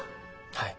はい。